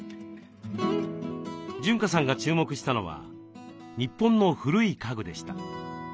潤香さんが注目したのは日本の古い家具でした。